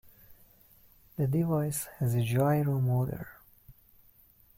The device has a gyro motor.